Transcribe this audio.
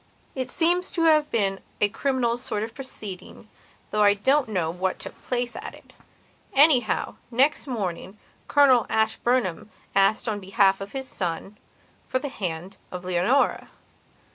It seems to have been a criminal sort of proceeding, though I don't know what took place at it. Anyhow, next morning Colonel Ashburnham asked on behalf of his son for the hand of Leonora.